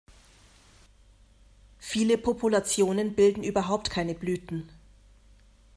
Viele Populationen bilden überhaupt keine Blüten.